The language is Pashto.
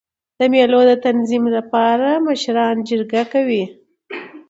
د مېلو د تنظیم له پاره مشران جرګه کوي.